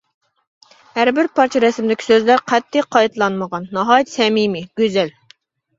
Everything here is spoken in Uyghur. ھەربىر پارچە رەسىمدىكى سۆزلەر قەتئىي قايتىلانمىغان، ناھايىتى سەمىمىي، گۈزەل.